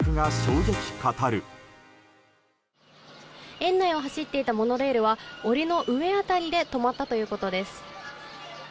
園内を走っていたモノレールは檻の上辺りで止まったということです。